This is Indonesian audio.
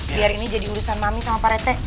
biar ini jadi urusan mami sama pak rete